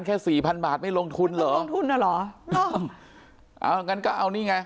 แค่สี่พันบาทไม่ลงทุนเหรอลงทุนน่ะเหรอเอางั้นก็เอานี่ไง